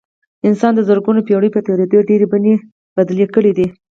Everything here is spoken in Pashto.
انسان د زرګونو پېړیو په تېرېدو ډېرې بڼې بدلې کړې دي.